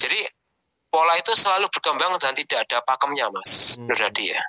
jadi pola itu selalu bergembang dan tidak ada pakemnya mas menurut saya